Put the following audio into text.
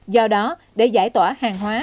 do đó để giải tỏa hàng hóa